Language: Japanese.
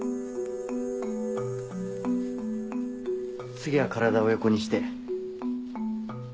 次は体を横にして。